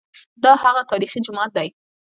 دا هغه تاریخي جومات دی.